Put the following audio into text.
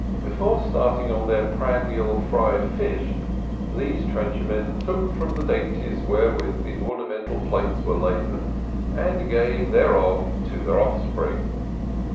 Before starting on their prandial fried fish, these trencher men took from the dainties wherewith the ornamental plates were laden and gave thereof to their offspring.